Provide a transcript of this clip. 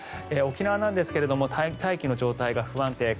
沖縄なんですが大気の状態が不安定。